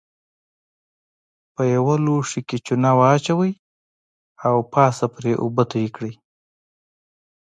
په یوه لوښي کې چونه واچوئ او پاسه پرې اوبه توی کړئ.